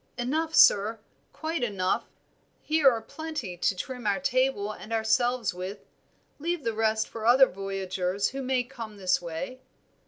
"Enough, sir, quite enough. Here are plenty to trim our table and ourselves with; leave the rest for other voyagers who may come this way."